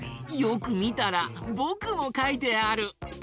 よくみたらぼくもかいてある！